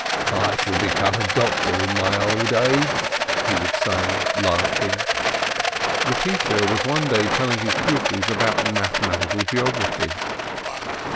"I shall become a doctor in my old age!" he would say, laughing. The teacher was one day telling his pupils about mathematical geography.